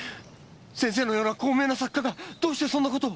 先生のような高名な作家がどうしてそんな事を？